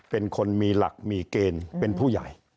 เป็นคนมีหลักมีเกณฑ์เป็นผู้ใหญ่